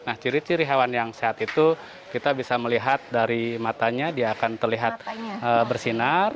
nah ciri ciri hewan yang sehat itu kita bisa melihat dari matanya dia akan terlihat bersinar